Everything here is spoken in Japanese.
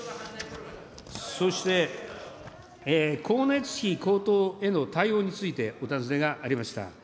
そして光熱費高騰への対応についてお尋ねがありました。